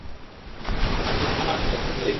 আমার সাথে এসো খালিদ!